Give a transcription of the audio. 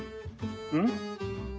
うん？